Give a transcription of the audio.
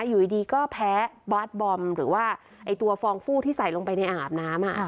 อยู่ดีก็แพ้บาสบอมหรือว่าตัวฟองฟู้ที่ใส่ลงไปในอาบน้ำ